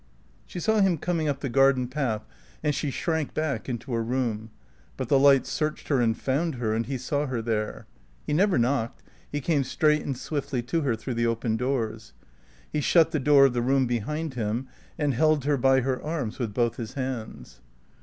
She saw him coming up the garden path and she shrank back into her room; but the light searched her and found her, and he saw her there. He never knocked; he came straight and swiftly to her through the open doors. He shut the door of the room behind him and held her by her arms with both his hands.